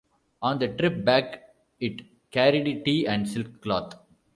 On the trip back it carried tea and silk cloth.